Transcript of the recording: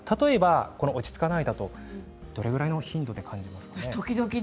落ち着かないはどれぐらいの頻度で感じますか。